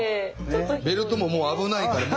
ベルトももう危ないから。